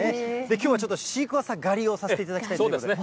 きょうはちょっとシークワーサー狩りをさせていただきたいと思います。